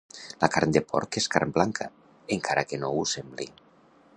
La carn de porc és carn blanca, encara que no ho sembli.